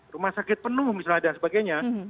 rumah sakit penuh misalnya dan sebagainya